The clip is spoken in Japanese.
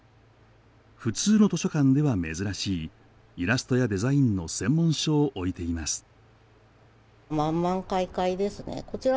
普通の図書館では珍しいイラストやデザインの専門書を置いています。